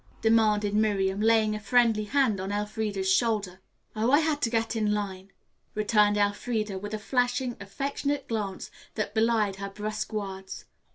demanded Miriam, laying a friendly hand on Elfreda's shoulder. "Oh, I had to get in line," returned Elfreda with a flashing affectionate glance that belied her brusque words.